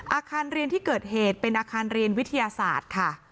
อาคารเรียนที่เกิดเหตุเป็นอาคารเรียนวิทยาศาสตร์ค่ะ